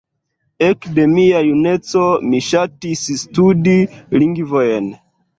Ekde mia juneco, mi ŝatis studi lingvojn.